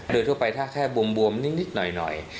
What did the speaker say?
โดยทั่วไปถ้าแค่บวมนิดหน่อย